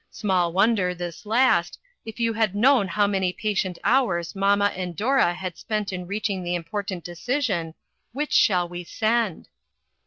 Small wonder, this last, if you had known how many pa tient hours mamma and Dora had spent in reaching the important decision, " Which shall we send?"